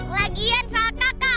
lagian salah kakak